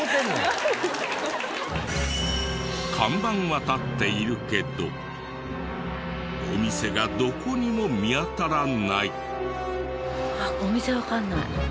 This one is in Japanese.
看板は立っているけどお店がどこにも見当たらない。